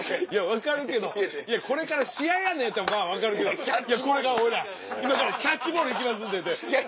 分かるけどこれから試合やんのやったら分かるけど「これから俺ら今からキャッチボール行きますんで」。